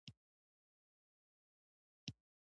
ابجګټف کورلیټف، یعني د خپل فکر څخه یو شي بیانول.